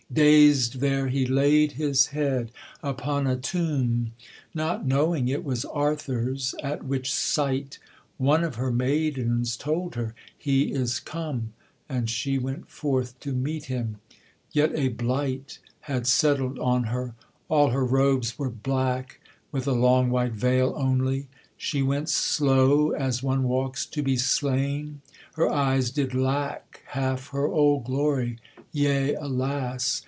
Dazed there he laid his head upon a tomb, Not knowing it was Arthur's, at which sight One of her maidens told her, 'He is come,' And she went forth to meet him; yet a blight Had settled on her, all her robes were black, With a long white veil only; she went slow, As one walks to be slain, her eyes did lack Half her old glory, yea, alas!